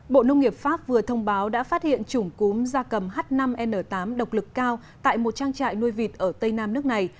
bộ nông nghiệp pháp vừa thông báo đã phát hiện chủng cúm da cầm h năm n tám độc lực cao tại một trang trại nuôi vịt ở tây nam nước này